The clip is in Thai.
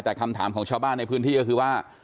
แต่คำถามของชาวบ้านในพื้นที่ก็คือว่า